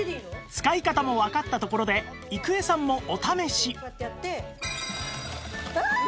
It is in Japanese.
使い方もわかったところで郁恵さんもお試し